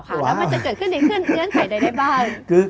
แล้วมันจะเกิดขึ้นในเงื่อนไขใดได้บ้าง